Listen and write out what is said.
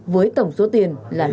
với tổng số tiền là trả lời